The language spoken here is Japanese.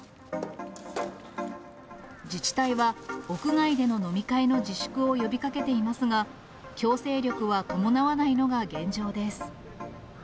自治体は屋外での飲み会の自粛を呼びかけていますが、強制力は伴わないのが現状です。